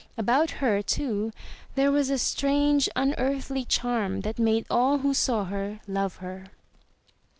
About her, too, there was a strange, imearthly charm that made all who saw her love her.